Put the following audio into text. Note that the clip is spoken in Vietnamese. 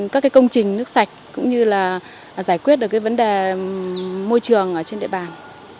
các công trình nước sạch cũng như là giải quyết được vấn đề môi trường ở trên địa bàn